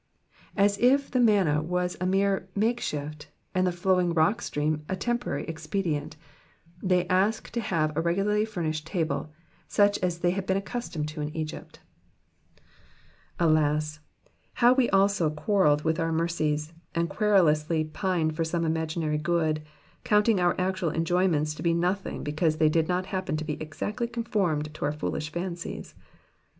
As if the manna was a mere make shift, and the flowing rock stream a temporary expedient, they ask to have a regularly furnished table, such as they had been accustomed to in Egypt, ^las, how have we also quarrelled with our mercies, and querulously pined for some imaginary good, counting our actual enjoyments to be nothing because they did not happen to be exactly conformed to our foolish fancies.